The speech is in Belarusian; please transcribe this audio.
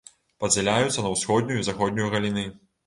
Падзяляюцца на ўсходнюю і заходнюю галіны.